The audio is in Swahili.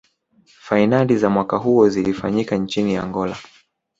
fainali za mwaka huo zilifanyika nchini angola